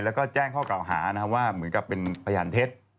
แล้วก็แจ้งข้อกล่าวหานะครับว่าเหมือนกับเป็นพยานเท็จ